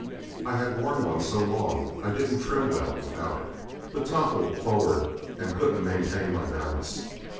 I had worn one so long I didn't trim well without it, but toppled forward and couldn't maintain my balance.